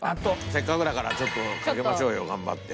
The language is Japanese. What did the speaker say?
せっかくだからちょっとかけましょうよ頑張って。